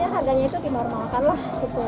harganya itu dinormalkan lah